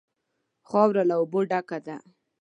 خاوره له اوبو ډکه ده.